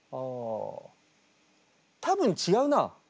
多分違うな。